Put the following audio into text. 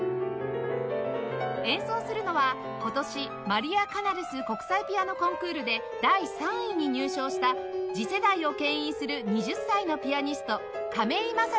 演奏するのは今年マリア・カナルス国際ピアノコンクールで第３位に入賞した次世代を牽引する２０歳のピアニスト亀井聖矢さんです